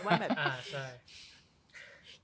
ว่าแบบ